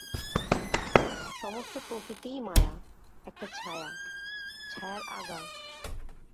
সমস্ত প্রকৃতিই মায়া, একটা ছায়া, ছায়ার আগার।